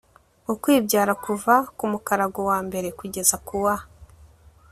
ukwibyara” kuva ku mukarago wa mbere kugeza ku wa